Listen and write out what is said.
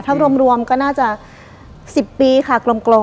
ถ้ารวมก็น่าจะ๑๐ปีค่ะกลม